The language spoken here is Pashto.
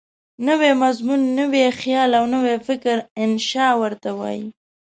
نوی مضمون، نوی خیال او نوی فکر انشأ ورته وايي.